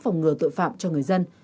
phòng ngừa tội phạm cho người dân